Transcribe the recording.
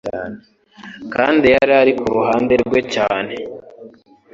kandi yari ari ku ruhande rwe cyane.